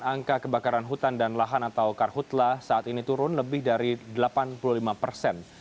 angka kebakaran hutan dan lahan atau karhutlah saat ini turun lebih dari delapan puluh lima persen